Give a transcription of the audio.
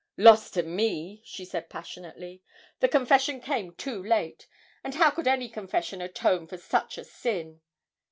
'Lost to me!' she said passionately, 'the confession came too late; and how could any confession atone for such a sin!